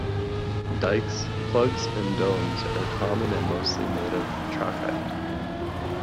Dykes, plugs and domes are common and mostly made from trachyte.